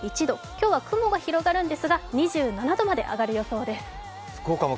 今日は雲が広がるんですが、２７度まで上がる予想です。